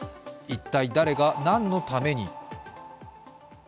一体誰が何のために？